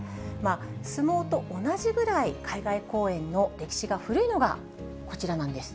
相撲と同じぐらい、海外公演の歴史が古いのがこちらなんです。